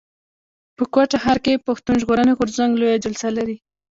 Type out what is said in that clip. په کوټه ښار کښي پښتون ژغورني غورځنګ لويه جلسه لري.